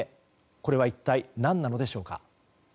これは一体何なのでしょうか。